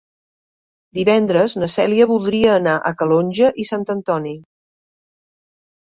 Divendres na Cèlia voldria anar a Calonge i Sant Antoni.